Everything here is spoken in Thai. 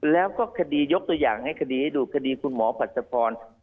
แล้วก็คดียกตัวอย่างให้คดีให้ดูคดีคุณหมอผัดพร